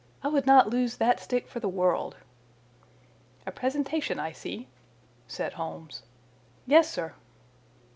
I would not lose that stick for the world." "A presentation, I see," said Holmes. "Yes, sir."